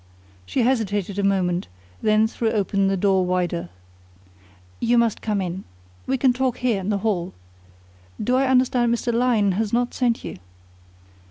She hesitated a moment, then threw open the door wider. "You must come in. We can talk here in the hall. Do I understand Mr. Lyne has not sent you?"